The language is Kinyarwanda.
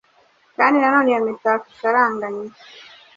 Kandi nanone iyo mitako isaranganywe